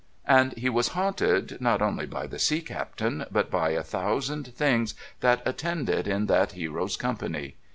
And he was haunted not only by the Sea Captain, but by a thousand things that attended in that hero's company.